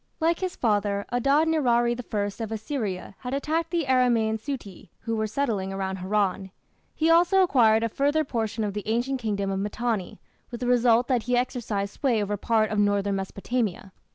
Like his father, Adad nirari I of Assyria had attacked the Aramaean "Suti" who were settling about Haran. He also acquired a further portion of the ancient kingdom of Mitanni, with the result that he exercised sway over part of northern Mesopotamia.